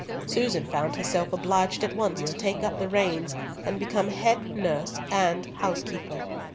Susan found herself obliged at once to take up the reins, and become head nurse and housekeeper.